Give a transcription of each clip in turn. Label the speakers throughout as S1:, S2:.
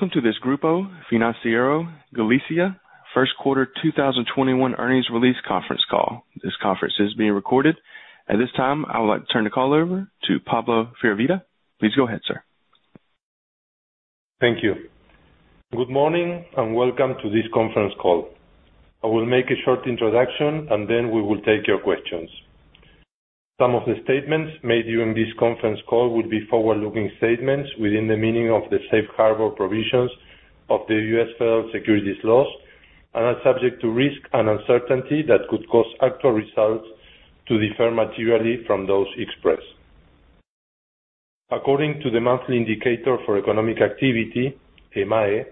S1: Welcome to this Grupo Financiero Galicia First Quarter 2021 Earnings Release Conference Call. This conference is being recorded. At this time, I would like to turn the call over to Pablo Firvida. Please go ahead, sir.
S2: Thank you. Good morning, and welcome to this conference call. I will make a short introduction, and then we will take your questions. Some of the statements made during this conference call will be forward-looking statements within the meaning of the safe harbor provisions of the U.S. Federal Securities Laws and are subject to risk and uncertainty that could cause actual results to differ materially from those expressed. According to the Monthly Estimator for Economic Activity, EMAE,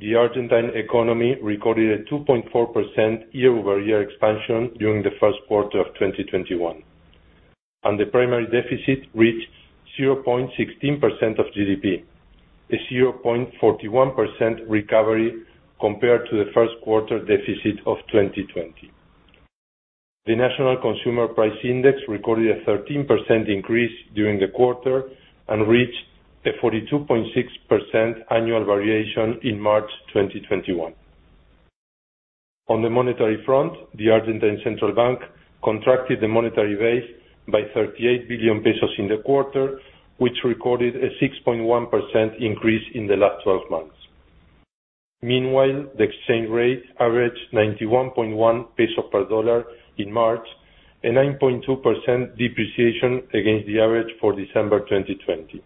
S2: the Argentine economy recorded a 2.4% year-over-year expansion during the first quarter of 2021, and the primary deficit reached 0.16% of GDP, a 0.41% recovery compared to the first quarter deficit of 2020. The National Consumer Price Index recorded a 13% increase during the quarter and reached a 42.6% annual variation in March 2021. On the monetary front, the Argentine Central Bank contracted the monetary base by 38 billion pesos in the quarter, which recorded a 6.1% increase in the last 12 months. Meanwhile, the exchange rate averaged 91.1 pesos per dollar in March, a 9.2% depreciation against the average for December 2020.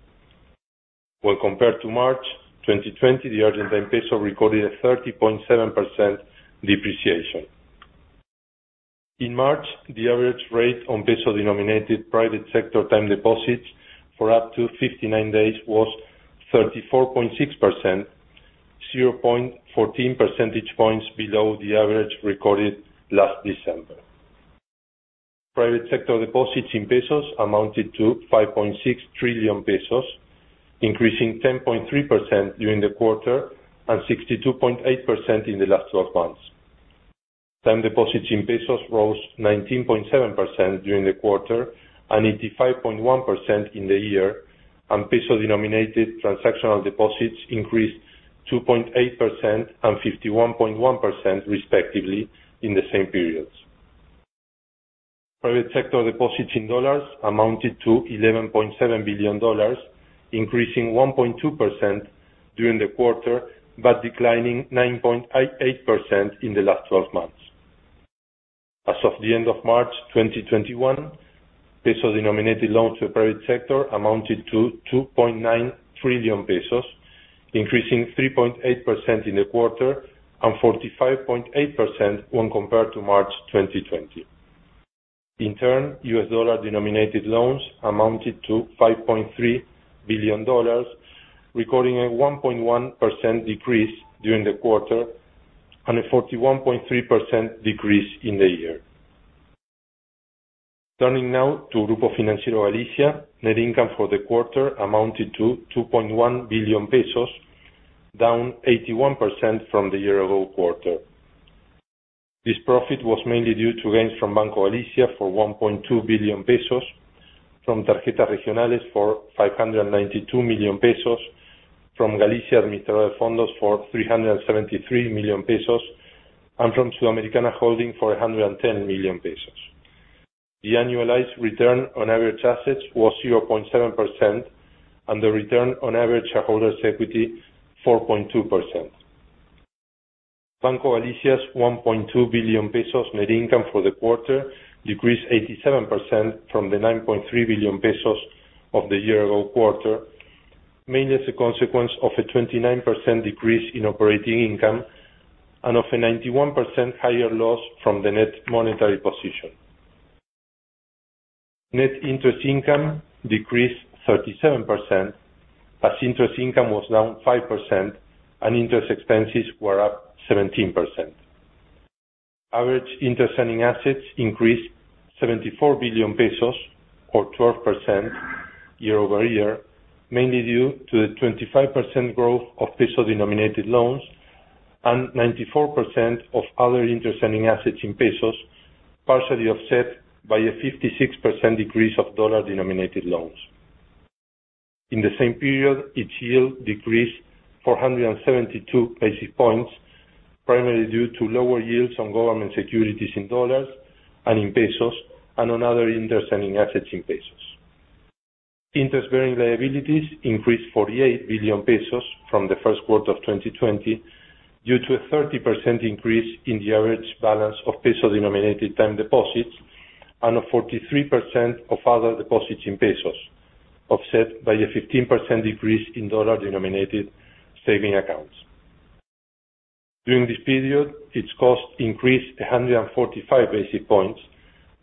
S2: When compared to March 2020, the Argentine peso recorded a 30.7% depreciation. In March, the average rate on peso-denominated private sector term deposits for up to 59 days was 34.6%, 0.14 percentage points below the average recorded last December. Private sector deposits in pesos amounted to 5.6 trillion pesos, increasing 10.3% during the quarter and 62.8% in the last 12 months. Term deposits in pesos rose 19.7% during the quarter and 85.1% in the year, and peso-denominated transactional deposits increased 2.8% and 51.1%, respectively, in the same periods. Private sector deposits in dollars amounted to $11.7 billion, increasing 1.2% during the quarter but declining 9.8% in the last 12 months. As of the end of March 2021, peso-denominated loans to the private sector amounted to 2.9 trillion pesos, increasing 3.8% in the quarter and 45.8% when compared to March 2020. U.S. dollar-denominated loans amounted to $5.3 billion, recording a 1.1% decrease during the quarter and a 41.3% decrease in the year. Turning now to Grupo Financiero Galicia, net income for the quarter amounted to 2.1 billion pesos, down 81% from the year-ago quarter. This profit was mainly due to gains from Banco Galicia for 1.2 billion pesos, from Tarjetas Regionales for 592 million pesos, from Galicia Administradora de Fondos for 373 million pesos, and from Sudamericana Holding for 110 million pesos. The annualized return on average assets was 0.7%, and the return on average shareholders' equity, 4.2%. Banco Galicia's 1.2 billion pesos net income for the quarter decreased 87% from the 9.3 billion pesos of the year-ago quarter, mainly as a consequence of a 29% decrease in operating income and of a 91% higher loss from the net monetary position. Net interest income decreased 37%, as interest income was down 5% and interest expenses were up 17%. Average interest-earning assets increased ARS 74 billion or 12% year-over-year, mainly due to the 25% growth of peso-denominated loans and 94% of other interest-earning assets in pesos, partially offset by a 56% decrease of dollar-denominated loans. In the same period, its yield decreased 472 basis points, primarily due to lower yields on government securities in dollars and in pesos and on other interest-earning assets in pesos. Interest-bearing liabilities increased 48 billion pesos from the first quarter of 2020 due to a 30% increase in the average balance of peso-denominated term deposits and a 43% of other deposits in pesos, offset by a 15% decrease in dollar-denominated saving accounts. During this period, its cost increased 145 basis points,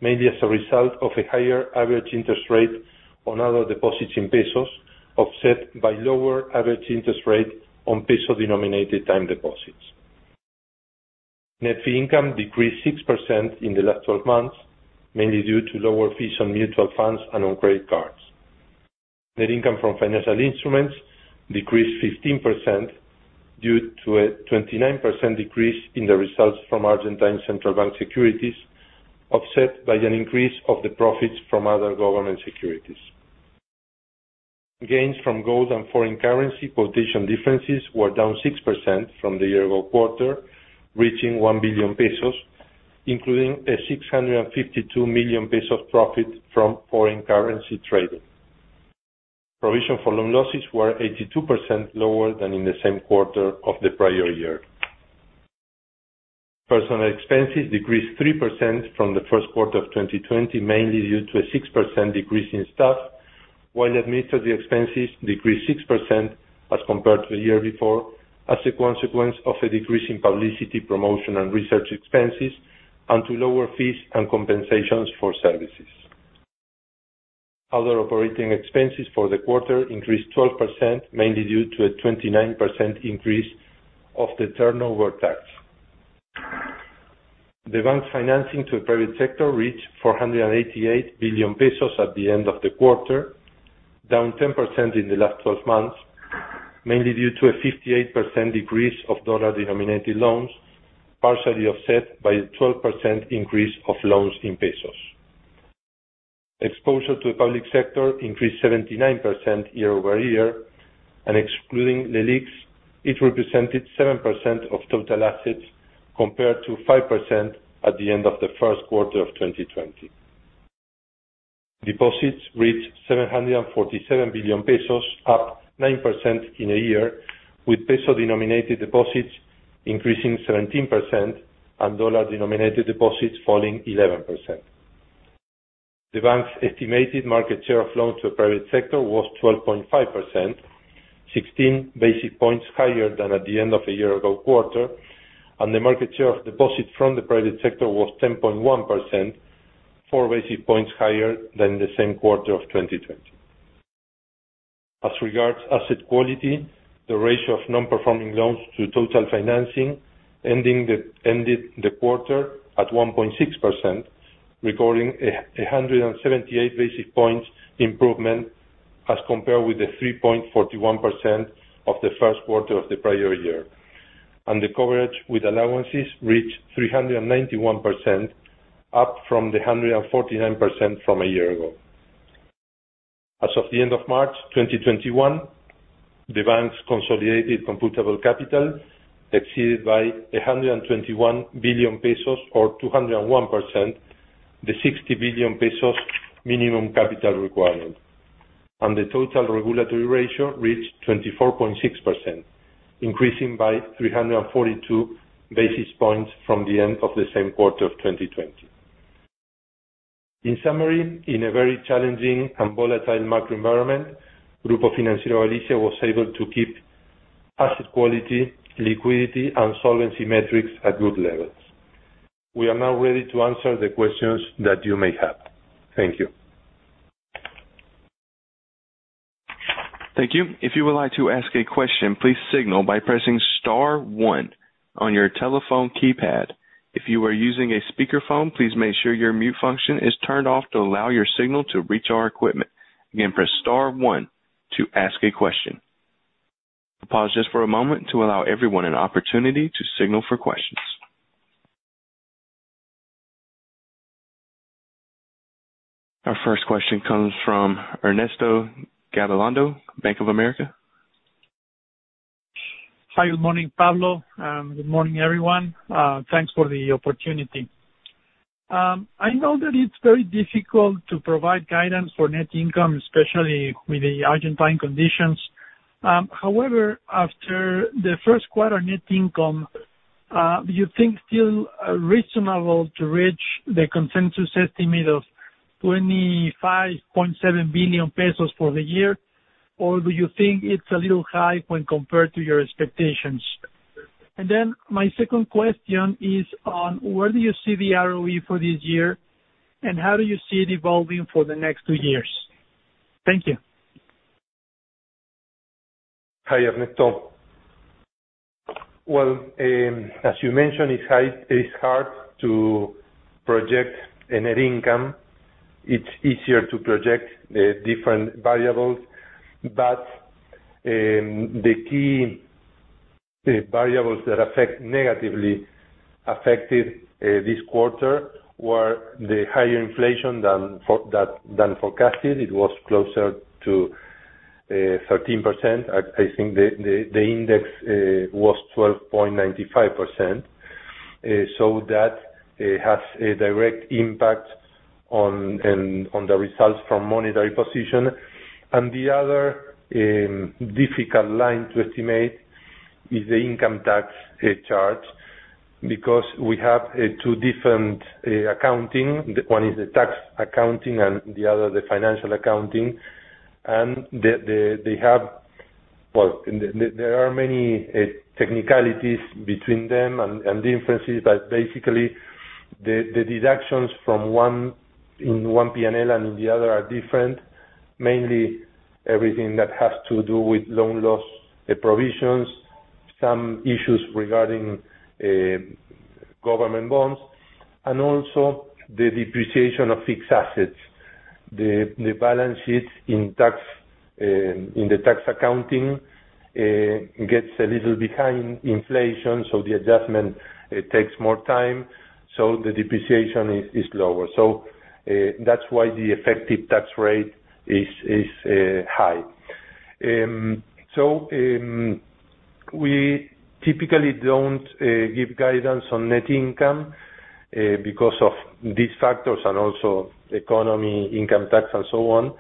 S2: mainly as a result of a higher average interest rate on other deposits in pesos, offset by lower average interest rate on peso-denominated term deposits. Net Fee Income decreased 6% in the last 12 months, mainly due to lower fees on mutual funds and on credit cards. Net Income from Financial Instruments decreased 15%, due to a 29% decrease in the results from Argentine Central Bank securities. Offset by an increase of the profits from other government securities. Gains from gold and foreign currency quotation differences were down 6% from the year-ago quarter, reaching 1 billion pesos, including an 652 million pesos profit from foreign currency trading. Provision for Loan Losses were 82% lower than in the same quarter of the prior year. Personnel Expenses decreased 3% from the first quarter of 2020, mainly due to a 6% decrease in staff, while administrative expenses decreased 6% as compared to the year before as a consequence of a decrease in publicity, promotion, and research expenses, and to lower fees and compensations for services. Other operating expenses for the quarter increased 12%, mainly due to a 29% increase of the turnover tax. The bank financing to the private sector reached 488 billion pesos at the end of the quarter, down 10% in the last 12 months, mainly due to a 58% decrease of dollar-denominated loans, partially offset by a 12% increase of loans in pesos. Exposure to the public sector increased 79% year-over-year, and excluding the LELIQ, it represented 7% of total assets compared to 5% at the end of the first quarter of 2020. Deposits reached 747 billion pesos, up 9% in a year, with pesos-denominated deposits increasing 17% and dollar-denominated deposits falling 11%. The bank's estimated market share of loans to the private sector was 12.5%, 16 basis points higher than at the end of the year ago quarter, and the market share of deposits from the private sector was 10.1%, four basis points higher than the same quarter of 2020. As regards asset quality, the ratio of non-performing loans to total financing ended the quarter at 1.6%, recording a 178 basis points improvement as compared with the 3.41% of the first quarter of the prior year. The coverage with allowances reached 391%, up from the 149% from a year ago. As of the end of March 2021, the bank's consolidated computable capital exceeded by 121 billion pesos, or 201%, the 60 billion pesos minimum capital requirement. The total regulatory ratio reached 24.6%, increasing by 342 basis points from the end of the same quarter of 2020. In summary, in a very challenging and volatile macro environment, Grupo Financiero Galicia was able to keep asset quality, liquidity, and solvency metrics at group levels. We are now ready to answer the questions that you may have. Thank you.
S1: Our first question comes from Ernesto Gabilondo, Bank of America.
S3: Hi, good morning, Pablo, good morning, everyone. Thanks for the opportunity. I know that it's very difficult to provide guidance for Net Income, especially with the Argentine conditions. However, after the first quarter Net Income, do you think still reasonable to reach the consensus estimate of 25.7 billion pesos for the year? Do you think it's a little high when compared to your expectations? My second question is on where do you see the ROE for this year, and how do you see it evolving for the next two years? Thank you.
S2: Hi, Ernesto. Well, as you mentioned, it's hard to project net income. It's easier to project the different variables. The key variables that negatively affected this quarter were the higher inflation than forecasted. It was closer to 13%. I think the index was 12.95%. That has a direct impact on the results from monetary position. The other difficult line to estimate is the income tax charge, because we have two different accounting. One is the tax accounting and the other, the financial accounting. There are many technicalities between them and differences, but basically, the deductions in one P&L and the other are different, mainly everything that has to do with loan loss provisions, some issues regarding government bonds, and also the depreciation of fixed assets. The balance sheet in the tax accounting gets a little behind inflation, so the adjustment takes more time, so the depreciation is lower. That's why the effective tax rate is high. We typically don't give guidance on net income because of these factors and also economy, income tax, and so on.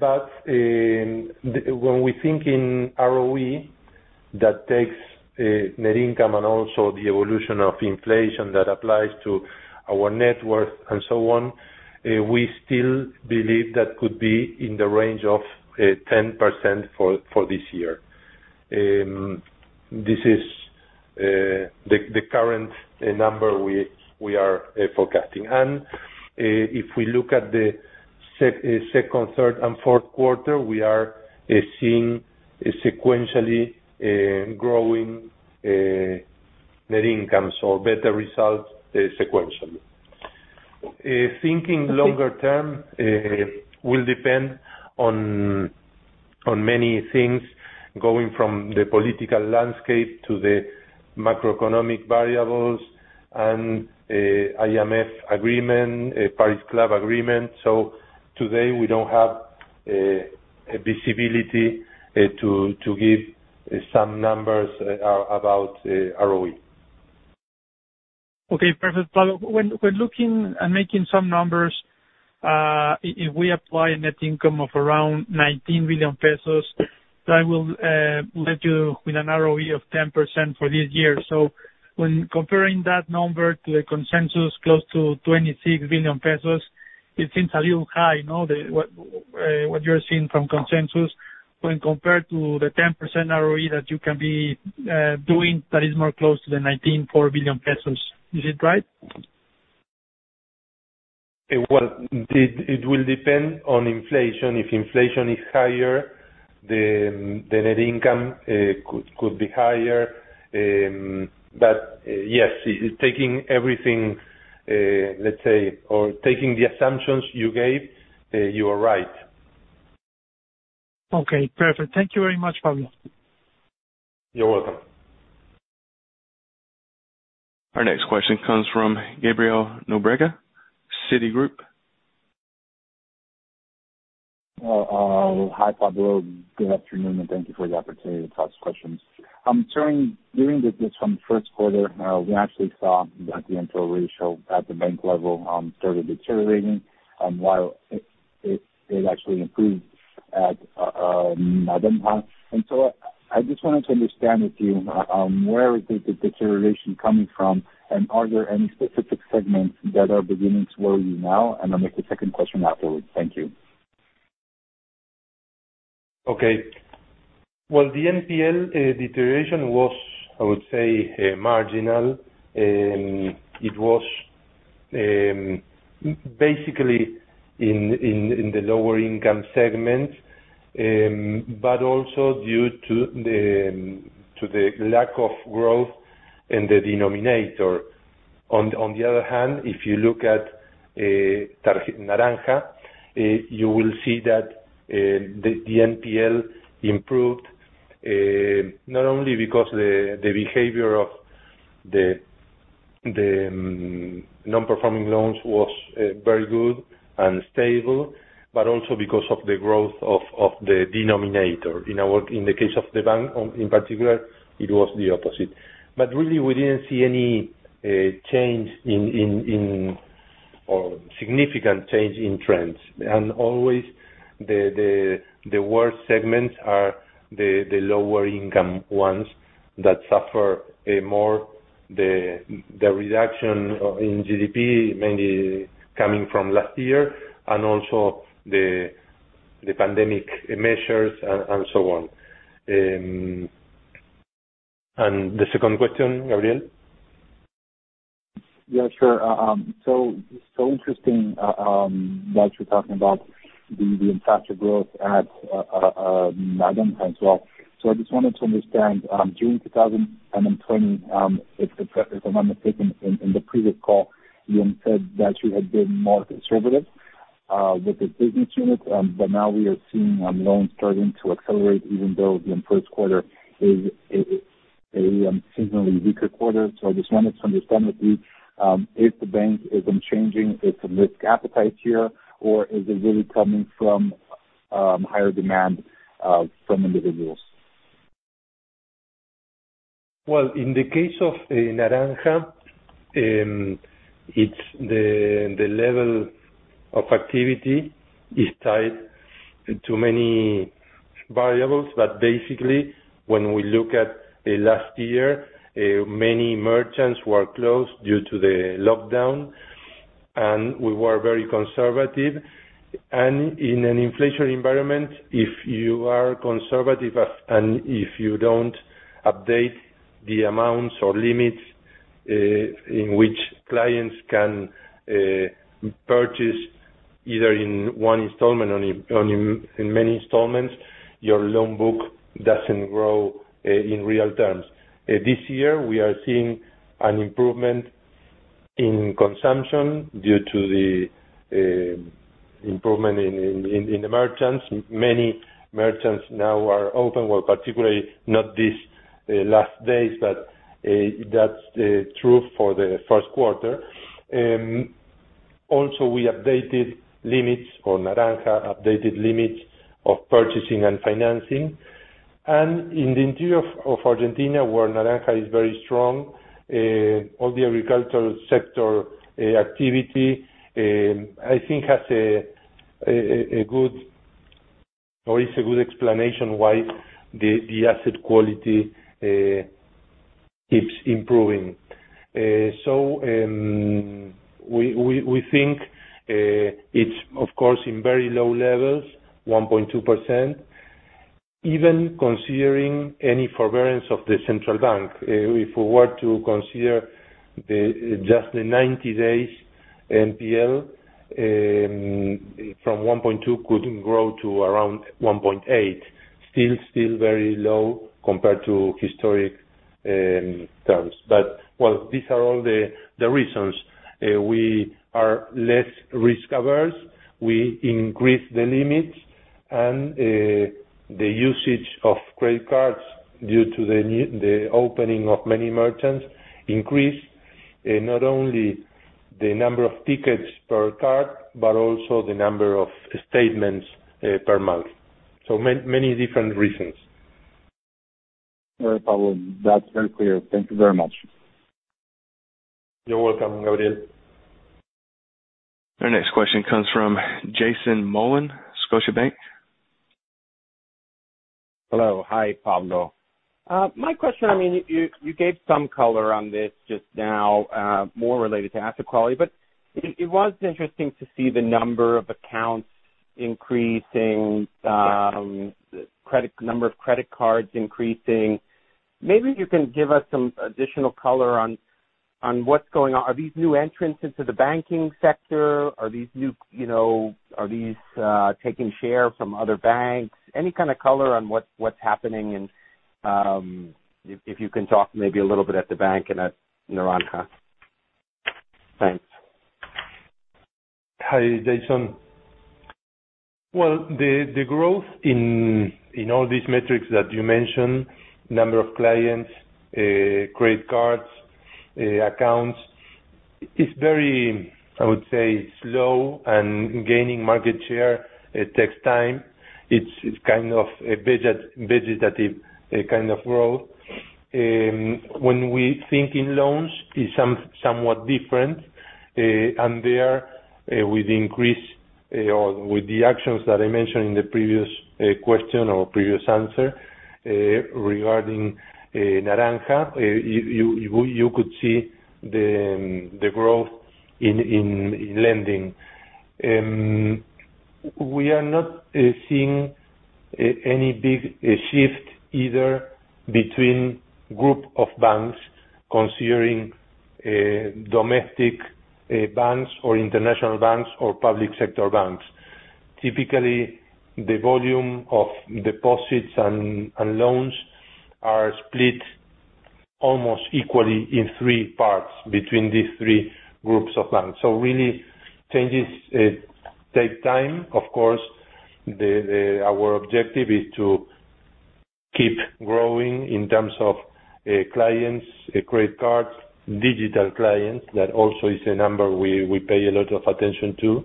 S2: But when we think in ROE, that takes net income and also the evolution of inflation that applies to our net worth and so on, we still believe that could be in the range of 10% for this year. This is the current number we are forecasting. If we look at the second, third, and fourth quarter, we are seeing sequentially growing net income, so better results sequentially. Thinking longer term will depend on many things, going from the political landscape to the macroeconomic variables and IMF agreement, Paris Club agreement. Today, we don't have visibility to give some numbers about ROE.
S3: Okay, perfect. Pablo, when looking and making some numbers, if we apply a net income of around 19 billion pesos, that will leave you with an ROE of 10% for this year. When comparing that number to the consensus, close to 26 billion pesos, it seems a little high, no? What you're seeing from consensus when compared to the 10% ROE that you can be doing, that is more close to the 19.4 billion pesos. Is it right?
S2: Well, it will depend on inflation. If inflation is higher, the net income could be higher. Yes, taking everything, let's say, or taking the assumptions you gave, you are right.
S3: Okay, perfect. Thank you very much, Pablo.
S2: You're welcome.
S1: Our next question comes from Gabriel Nóbrega, Citigroup.
S4: Hi, Pablo. Good afternoon, and thank you for the opportunity to ask questions. During the first quarter, we actually saw the NPL ratio at the bank level started deteriorating, while it actually improved at Naranja. I just wanted to understand with you, where is the deterioration coming from, and are there any specific segments that are beginning to worry you now? I'll make a second question afterwards. Thank you.
S2: Okay. Well, the NPL deterioration was, I would say, marginal. It was basically in the lower income segments, but also due to the lack of growth in the denominator. On the other hand, if you look at Naranja, you will see that the NPL improved, not only because the behavior of the non-performing loans was very good and stable, but also because of the growth of the denominator. In the case of the bank, in particular, it was the opposite. Really, we didn't see any significant change in trends. Always, the worst segments are the lower income ones that suffer more the reduction in GDP, mainly coming from last year, and also the pandemic measures and so on. The second question, Gabriel?
S4: Yeah, sure. Interesting that you're talking about the faster growth at Naranja as well. I just wanted to understand, during 2020, if I'm not mistaken, in the previous call, you had said that you had been more conservative with the business unit, but now we are seeing loans starting to accelerate, even though the first quarter is a seasonally weaker quarter. I just wanted to understand with you if the bank is changing its risk appetite here, or is it really coming from higher demand from individuals?
S2: Well, in the case of Naranja, the level of activity is tied to many variables, but basically when we look at last year, many merchants were closed due to the lockdown. We were very conservative. In an inflation environment, if you are conservative and if you don't update the amounts or limits in which clients can purchase, either in one installment or in many installments, your loan book doesn't grow in real terms. This year, we are seeing an improvement in consumption, due to the improvement in the merchants. Many merchants now are open, well, particularly not these last days, but that's true for the first quarter. Also, we updated limits for Naranja, updated limits of purchasing and financing. In the interior of Argentina, where Naranja is very strong, all the agricultural sector activity, I think, is a good explanation why the asset quality keeps improving. We think it's, of course, in very low levels, 1.2%, even considering any forbearance of the central bank. If we were to consider just the 90 days NPL, from 1.2%, it could grow to around 1.8%. Still very low compared to historic terms. These are all the reasons. We are less risk averse. We increased the limits and the usage of credit cards due to the opening of many merchants increased, not only the number of tickets per card, but also the number of statements per month. Many different reasons.
S4: No problem. That's very clear. Thank you very much.
S2: You're welcome.
S1: Our next question comes from Jason Mollin, Scotiabank.
S5: Hello. Hi, Pablo. My question, you gave some color on this just now, more related to asset quality, but it was interesting to see the number of accounts increasing, number of credit cards increasing. Maybe you can give us some additional color on what's going on. Are these new entrants into the banking sector? Are these taking share from other banks? Any kind of color on what's happening and if you can talk maybe a little bit at the bank and at Naranja. Thanks.
S2: Hi, Jason. Well, the growth in all these metrics that you mentioned, number of clients, credit cards, accounts, it's very, I would say, slow. Gaining market share takes time. It's a vegetative kind of growth. When we think in loans, it's somewhat different. There, with the actions that I mentioned in the previous question or previous answer regarding Naranja, you could see the growth in lending. We are not seeing any big shift either between group of banks, considering domestic banks or international banks or public sector banks. Typically, the volume of deposits and loans are split almost equally in three parts between these three groups of banks. Really, changes take time. Of course, our objective is to keep growing in terms of clients, credit cards, digital clients. That also is a number we pay a lot of attention to.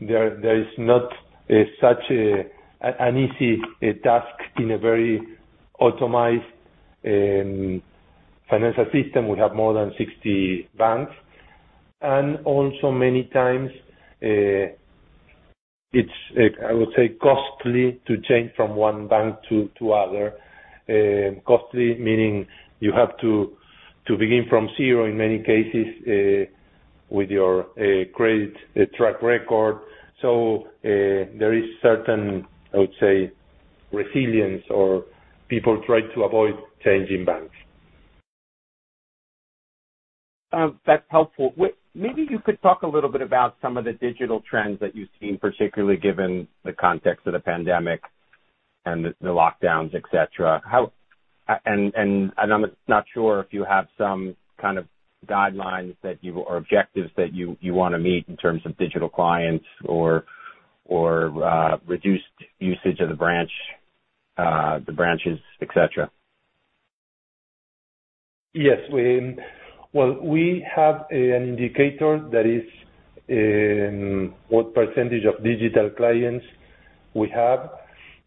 S2: There is not such an easy task in a very optimized financial system. We have more than 60 banks. Also many times, it's, I would say, costly to change from one bank to other. Costly, meaning you have to begin from zero in many cases with your credit track record. There is certain, I would say, resilience or people try to avoid changing banks.
S5: That's helpful. Maybe you could talk a little bit about some of the digital trends that you've seen, particularly given the context of the pandemic and the lockdowns, et cetera. I'm not sure if you have some kind of guidelines or objectives that you want to meet in terms of digital clients or reduced usage of the branches, et cetera.
S2: Yes. Well, we have an indicator that is what percentage of digital clients we have.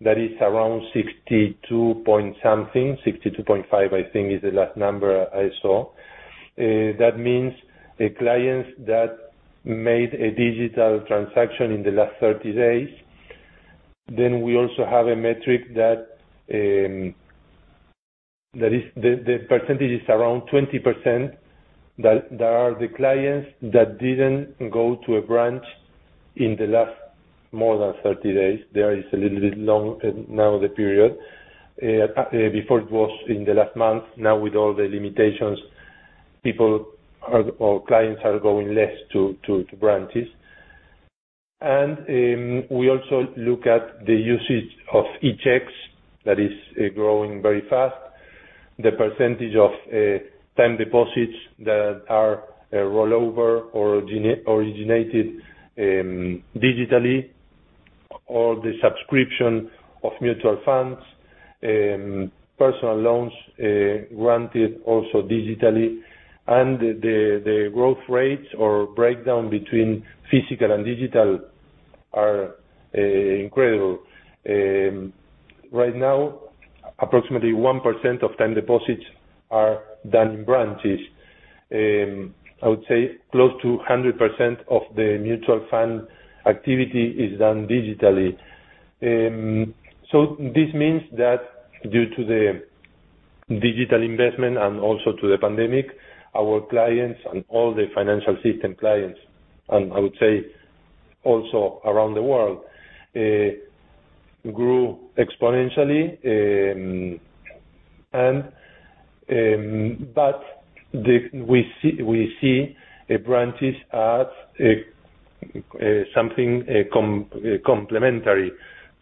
S2: That is around 62 point something, 62.5 I think is the last number I saw. That means the clients that made a digital transaction in the last 30 days. We also have a metric, the percentage is around 20%, that are the clients that didn't go to a branch in the last more than 30 days. That is a little bit long now, the period. Before it was in the last month. Now with all the limitations, clients are going less to branches. We also look at the usage of e-checks, that is growing very fast. The percentage of time deposits that are rollover or originated digitally, or the subscription of mutual funds, personal loans granted also digitally. The growth rates or breakdown between physical and digital are incredible. Right now, approximately 1% of time deposits are done in branches. I would say close to 100% of the mutual fund activity is done digitally. This means that due to the digital investment and also to the pandemic, our clients and all the financial system clients, and I would say also around the world, grew exponentially. We see branches as something complementary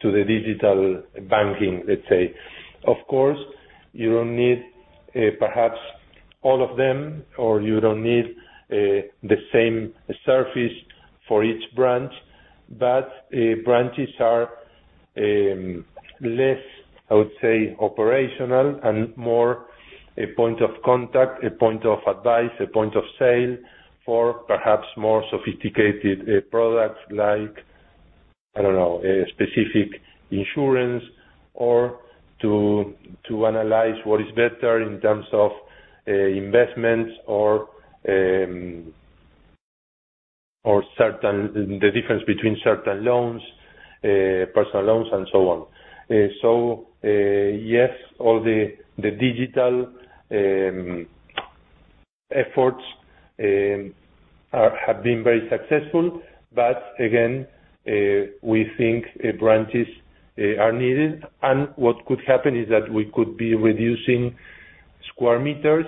S2: to the digital banking, let's say. Of course, you don't need perhaps all of them, or you don't need the same service for each branch, but branches are less, I would say, operational and more a point of contact, a point of advice, a point of sale for perhaps more sophisticated products like, I don't know, a specific insurance or to analyze what is better in terms of investments or the difference between certain loans, personal loans, and so on. Yes, all the digital efforts have been very successful. Again, we think branches are needed, and what could happen is that we could be reducing square meters,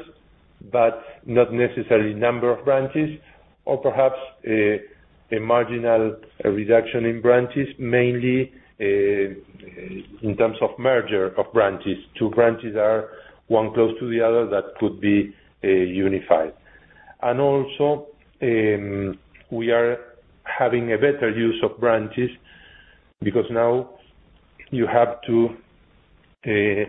S2: but not necessarily number of branches or perhaps a marginal reduction in branches, mainly in terms of merger of branches. Two branches are one close to the other that could be unified. Also, we are having a better use of branches because now you have to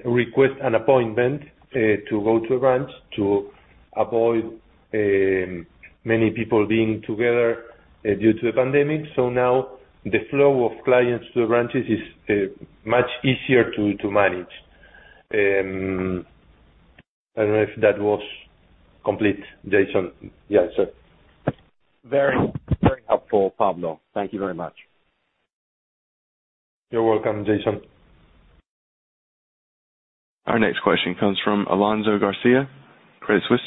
S2: request an appointment to go to a branch to avoid many people being together due to the pandemic. Now the flow of clients to the branches is much easier to manage. I don't know if that was complete, Jason.
S5: Very helpful, Pablo. Thank you very much.
S2: You're welcome, Jason.
S1: Our next question comes from Alonso García, Credit Suisse.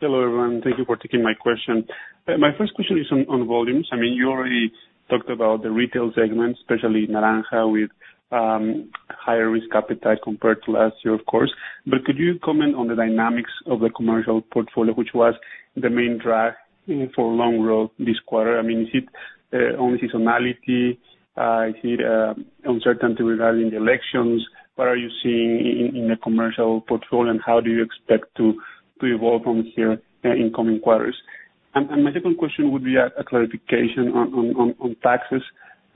S6: Hello, everyone. Thank you for taking my question. My first question is on volumes. You already talked about the retail segment, especially Naranja, with higher risk appetite compared to last year, of course. Could you comment on the dynamics of the commercial portfolio, which was the main drag for loan growth this quarter? Is it on seasonality? Is it uncertainty regarding the elections? What are you seeing in the commercial portfolio, and how do you expect to evolve from here in coming quarters? My second question would be a clarification on taxes.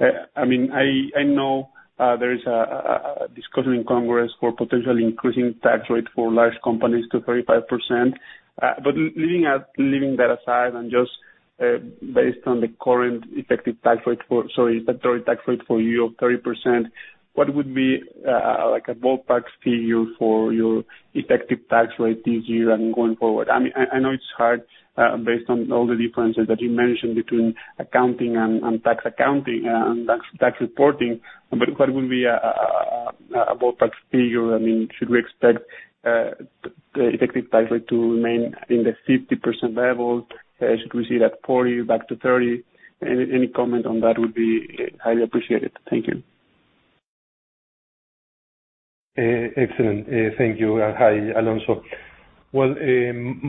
S6: I know there is a discussion in Congress for potentially increasing tax rate for large companies to 35%. Leaving that aside, and just based on the current effective tax rate for you of 30%, what would be a ballpark figure for your effective tax rate this year and going forward? I know it's hard based on all the differences that you mentioned between accounting and tax accounting and tax reporting, what would be a ballpark figure? Should we expect the effective tax rate to remain in the 50% level? Should we see that 40 back to 30? Any comment on that would be highly appreciated. Thank you.
S2: Excellent. Thank you. Hi, Alonso. Well,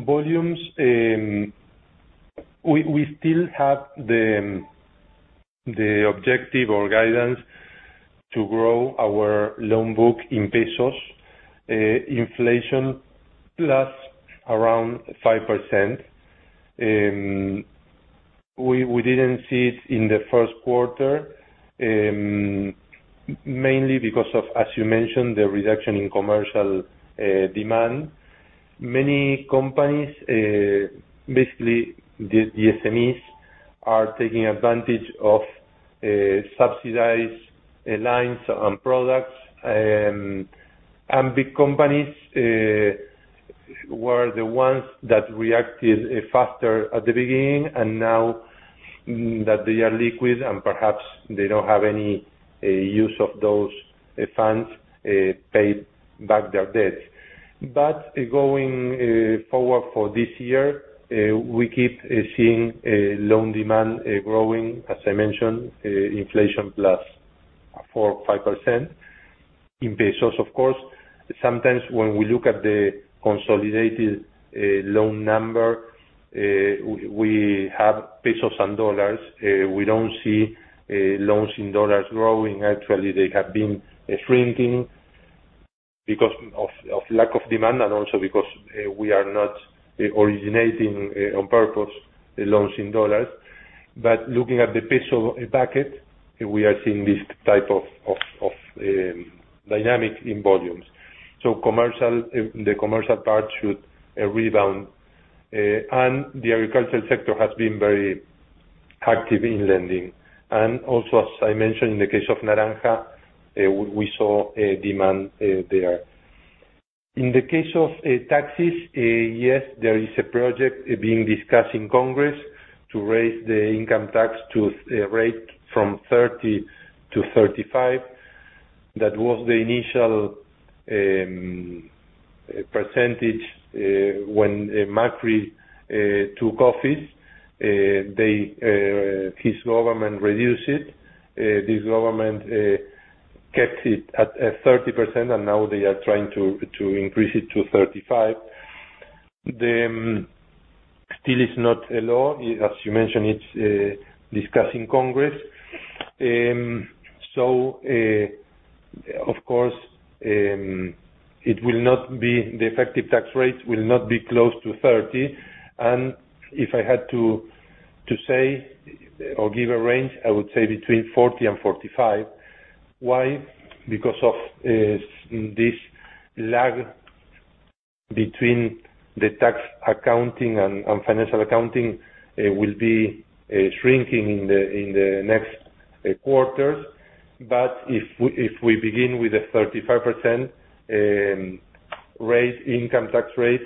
S2: volumes, we still have the objective or guidance to grow our loan book in pesos, inflation plus around 5%. We didn't see it in the first quarter, mainly because of, as you mentioned, the reduction in commercial demand. Many companies, basically the SMEs, are taking advantage of subsidized lines and products. Big companies were the ones that reacted faster at the beginning, and now that they are liquid and perhaps they don't have any use of those funds, paid back their debts. Going forward for this year, we keep seeing loan demand growing, as I mentioned, inflation +4% or 5% in pesos, of course. Sometimes when we look at the consolidated loan number, we have pesos and dollars. We don't see loans in dollars growing. Actually, they have been shrinking because of lack of demand, also because we are not originating on purpose loans in dollars. Looking at the pesos bucket, we are seeing this type of dynamic in volumes. The commercial part should rebound, and the agricultural sector has been very active in lending. Also, as I mentioned, in the case of Naranja, we saw demand there. In the case of taxes, yes, there is a project being discussed in Congress to raise the income tax to a rate from 30% to 35%. That was the initial percentage when Macri took office. His government reduced it. This government kept it at 30%, and now they are trying to increase it to 35%. Still, it is not a law. As you mentioned, it is discussed in Congress. Of course, the effective tax rate will not be close to 30, and if I had to say or give a range, I would say between 40 and 45. Why? Because of this lag between the tax accounting and financial accounting will be shrinking in the next quarters. If we begin with a 35% income tax rate,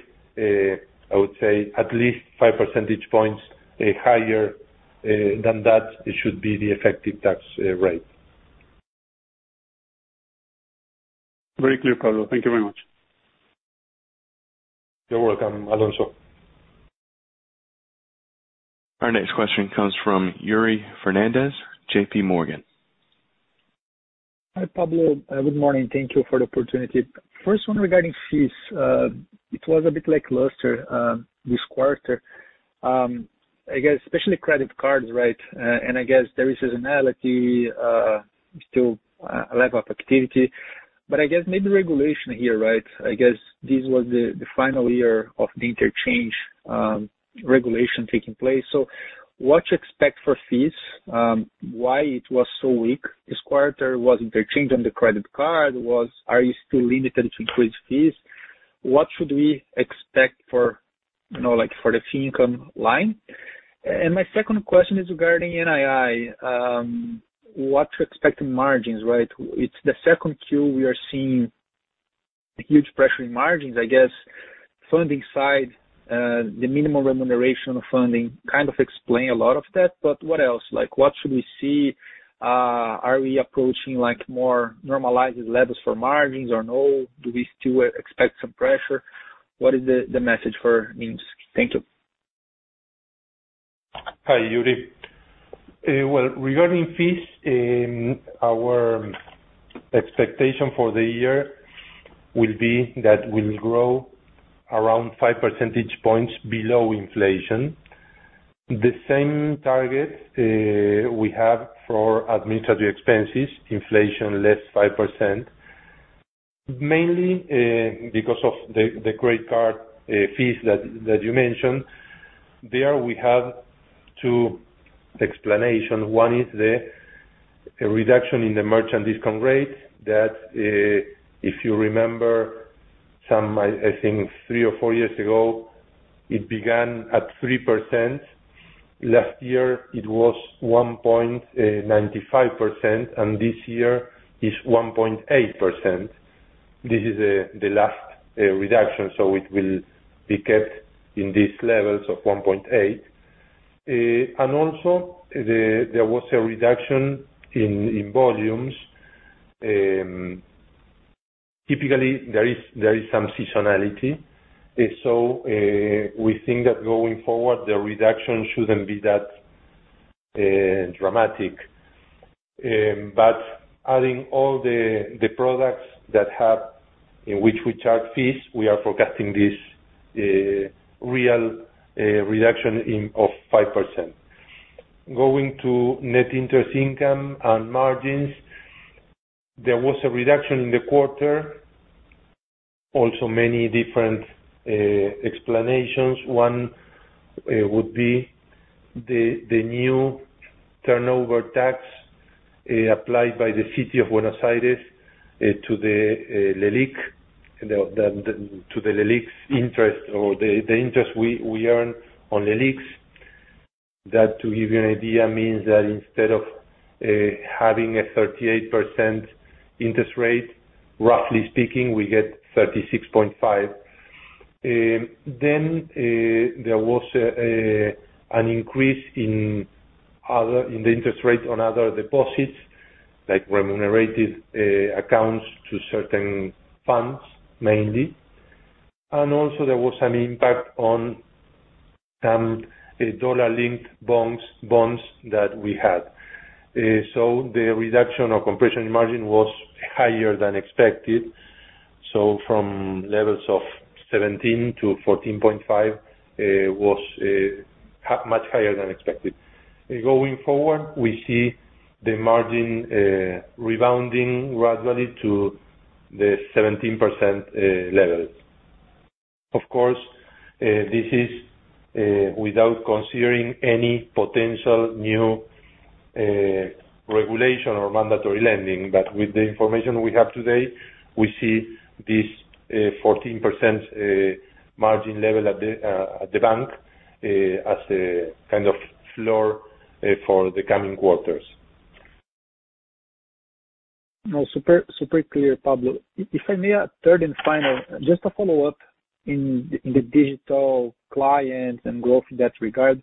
S2: I would say at least five percentage points higher than that should be the effective tax rate.
S6: Very clear, Pablo. Thank you very much.
S2: You're welcome, Alonso.
S1: Our next question comes from Yuri Fernandes, JPMorgan.
S7: Hi, Pablo. Good morning. Thank you for the opportunity. First one regarding fees. It was a bit lackluster this quarter. I guess, especially credit cards, right? I guess there is seasonality, still lack of activity. I guess maybe regulation here, right? I guess this was the final year of the interchange regulation taking place. What to expect for fees? Why it was so weak this quarter? Was interchange on the credit card? Are you still limited to trade fees? What should we expect for the fee income line? My second question is regarding NII. What to expect in margins, right? It's the second quarter we are seeing huge pressure in margins. I guess funding side, the minimum remuneration funding kind of explain a lot of that, but what else? What should we see? Are we approaching more normalized levels for margins or no? Do we still expect some pressure? What is the message for NII? Thank you.
S2: Hi, Yuri. Well, regarding fees, our expectation for the year will be that we'll grow around five percentage points below inflation. The same target we have for administrative expenses, inflation less 5%, mainly because of the credit card fees that you mentioned. There we have two explanations. One is the reduction in the merchant discount rate that, if you remember, I think three or four years ago, it began at 3%. This year is 1.8%. It will be kept in these levels of 1.8%. Also, there was a reduction in volumes. Typically, there is some seasonality. We think that going forward, the reduction shouldn't be that dramatic. Adding all the products in which we charge fees, we are forecasting this real reduction of 5%. Going to net interest income and margins, there was a reduction in the quarter. Many different explanations. One would be the new turnover tax applied by the city of Buenos Aires to the LELIQ, the interest we earn on LELIQs. That, to give you an idea, means that instead of having a 38% interest rate, roughly speaking, we get 36.5%. There was an increase in the interest rate on other deposits, like remunerated accounts to certain funds, mainly. There was an impact on some dollar-linked bonds that we had. The reduction or compression margin was higher than expected. From levels of 17% to 14.5%, was much higher than expected. Going forward, we see the margin rebounding gradually to the 17% levels. Of course, this is without considering any potential new regulation or mandatory lending. With the information we have today, we see this 14% margin level at the bank as a kind of floor for the coming quarters.
S7: No, super clear, Pablo. If I may, third and final, just a follow-up in the digital clients and growth in that regard,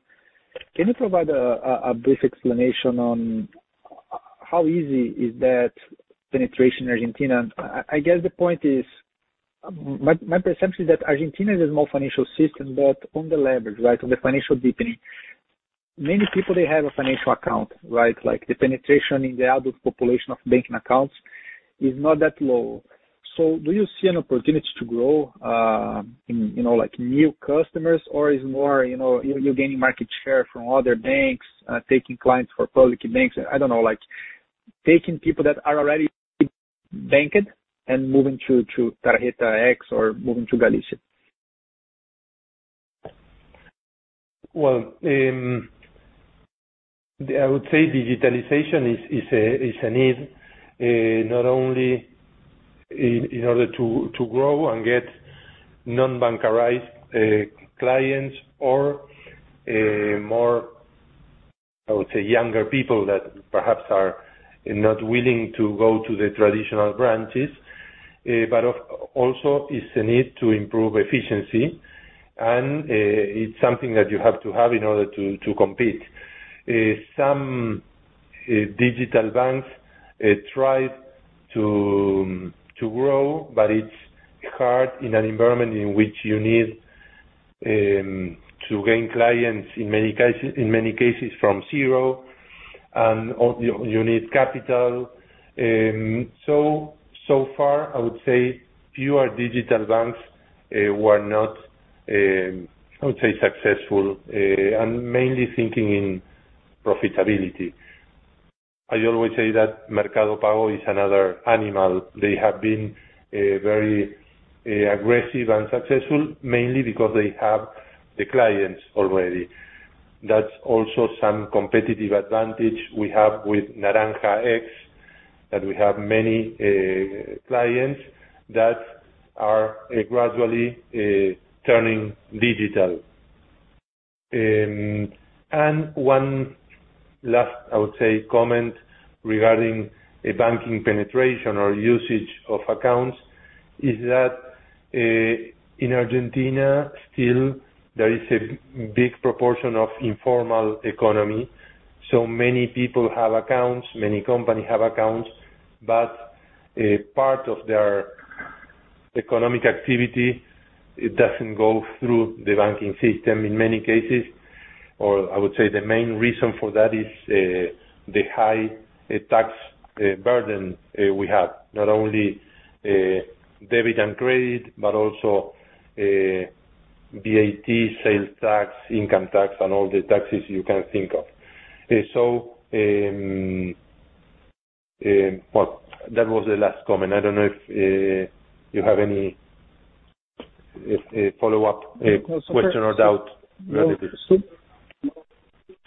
S7: can you provide a brief explanation on how easy is that penetration in Argentina? I guess the point is, my perception is that Argentina is a small financial system, but on the leverage, on the financial deepening, many people there have a financial account. The penetration in the adult population of banking accounts is not that low. Do you see an opportunity to grow new customers, or it's more you're gaining market share from other banks, taking clients from public banks? I don't know, taking people that are already banked and moving to Naranja X or moving to Galicia?
S2: Well, I would say digitalization is a need, not only in order to grow and get non-bankerized clients or more, I would say, younger people that perhaps are not willing to go to the traditional branches, but also it's a need to improve efficiency, and it's something that you have to have in order to compete. Some digital banks try to grow, but it's hard in an environment in which you need to gain clients, in many cases, from zero, and you need capital. So far, I would say fewer digital banks were not, I would say, successful, and mainly thinking in profitability. I always say that Mercado Pago is another animal. They have been very aggressive and successful, mainly because they have the clients already. That's also some competitive advantage we have with Naranja X, that we have many clients that are gradually turning digital. One last, I would say, comment regarding the banking penetration or usage of accounts is that in Argentina, still, there is a big proportion of informal economy. Many people have accounts, many companies have accounts, but part of their economic activity, it doesn't go through the banking system in many cases. I would say the main reason for that is the high tax burden we have, not only debit and credit, but also VAT, sales tax, income tax, and all the taxes you can think of. That was the last comment. I don't know if you have any follow-up question or doubt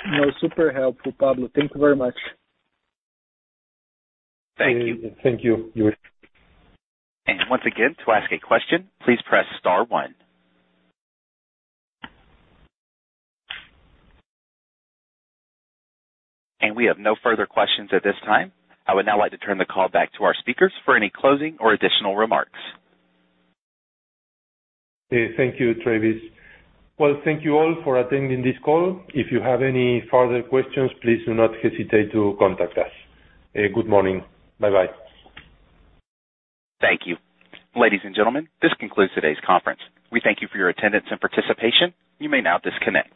S2: regarding this.
S7: No, super helpful, Pablo. Thank you very much.
S2: Thank you.
S7: Thank you.
S1: Once again, to ask a question, please press star one. We have no further questions at this time. I would now like to turn the call back to our speakers for any closing or additional remarks.
S2: Thank you, Travis. Well, thank you all for attending this call. If you have any further questions, please do not hesitate to contact us. Good morning. Bye-bye.
S1: Thank you. Ladies and gentlemen, this concludes today's conference. We thank you for your attendance and participation. You may now disconnect.